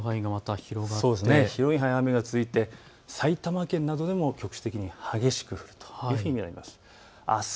広い範囲、雨が続いて埼玉県などでも局地的に激しく降るというふうに見られます。